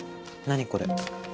何これ？